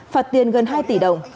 phạt tiền gần hai tỷ đồng